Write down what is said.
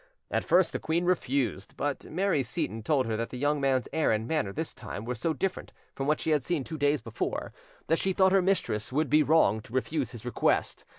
At first the queen refused; but Mary Seyton told her that the young man's air and manner this time were so different from what she had seen two days before, that she thought her mistress would be wrong to refuse his request.